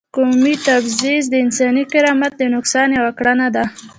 قومي تبعیض د انساني کرامت د نقض یوه کړنه ده.